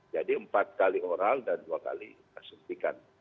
jadi empat kali oral dan dua kali suntikan